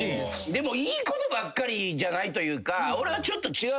でもいいことばっかりじゃないというか俺はちょっと違う。